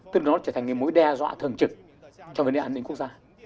tức là nó trở thành một mối đe dọa thường trực cho vấn đề an ninh quốc gia